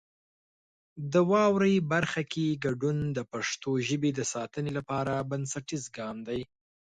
د واورئ برخه کې ګډون د پښتو ژبې د ساتنې لپاره بنسټیز ګام دی.